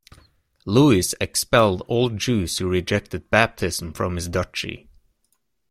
Louis expelled all Jews who rejected baptism from his duchy.